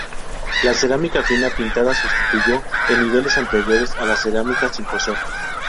La cerámica fina pintada sustituyó en niveles anteriores a la cerámica sin cocer.